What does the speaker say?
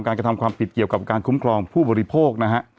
กระทำความผิดเกี่ยวกับการคุ้มครองผู้บริโภคนะฮะ